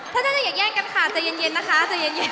ถ้าท่านจะอยากแยกกันค่ะใจเย็นนะคะ